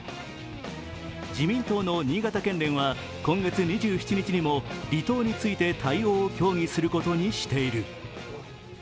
自民党の新潟県連は今月２７日にも離党について対応を協議することにしている。